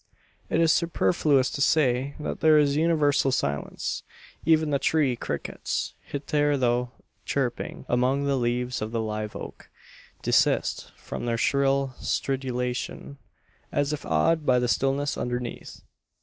It is superfluous to say that there is universal silence. Even the tree crickets, hitherto "chirping" among the leaves of the live oak, desist from their shrill stridulation as if awed by the stillness underneath.